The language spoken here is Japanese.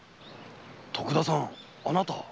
徳田さんあなた？